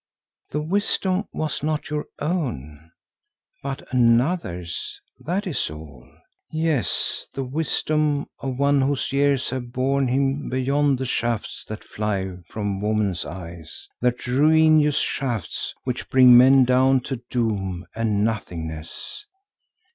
The wisdom was not your own, but another's, that is all. Yes, the wisdom of one whose years have borne him beyond the shafts that fly from woman's eyes, the ruinous shafts which bring men down to doom and nothingness.